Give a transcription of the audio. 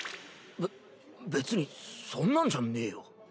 べ別にそんなんじゃねぇよ。